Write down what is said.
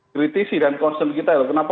kritisi dan konsen kita ya kenapa